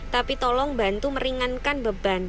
tapi tolong bantu meringankan beban